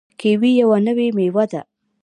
کیوي یوه نوې میوه ده.